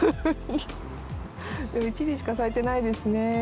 でも一輪しか咲いてないですね。